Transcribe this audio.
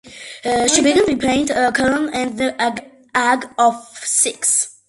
She began piano education at the age of six.